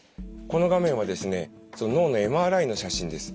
この画面はですね脳のＭＲＩの写真です。